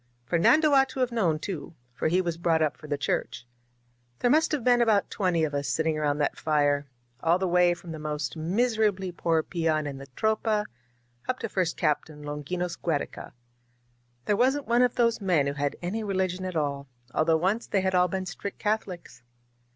Fernando ought to have known, too, for he was brought up for the Church. There must have been about twenty of us sitting around that fire, all the way from the most mis erably poor peon in the Tropa up to First Captain Longinos Giiereca. There wasn't one of these men who had any religion at all, although once they had all been strict Catholics.